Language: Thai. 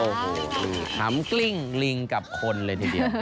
โอ้โหหำกลิ้งลิงกับคนเลยทีเดียว